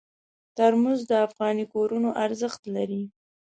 ترموز د افغاني کورونو ارزښت لري.